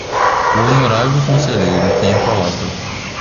O honorável conselheiro tem a palavra.